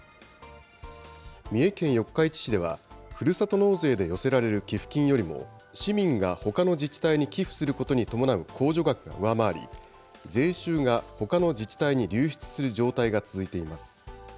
三重県四日市市では、ふるさと納税で寄せられる寄付金よりも、市民がほかの自治体に寄付することに伴う控除額が上回り、税収がほかの自治体に流出する状態が続いています。